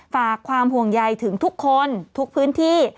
ฝากความห่วงใยถึงทุกคนทุกพื้นที่